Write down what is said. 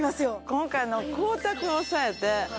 今回。